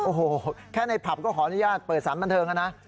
โอ้โหแค่ในผับก็ขออนุญาตเปิดสารบันเทิงนะ